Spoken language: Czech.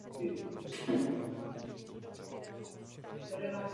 Za německé okupace byl odeslán na nucené práce do Německa.